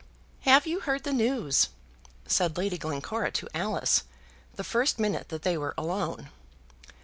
"Have you heard the news?" said Lady Glencora to Alice, the first minute that they were alone.